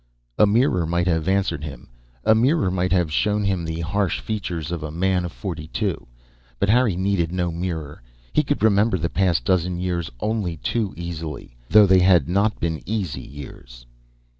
A mirror might have answered him; a mirror might have shown him the harsh features of a man of forty two. But Harry needed no mirror. He could remember the past dozen years only too easily though they had not been easy years.